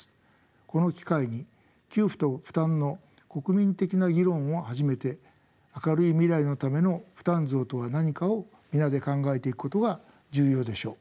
この機会に給付と負担の国民的な議論を始めて明るい未来のための負担増とは何かを皆で考えていくことが重要でしょう。